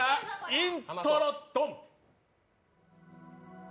イントロ・ドン。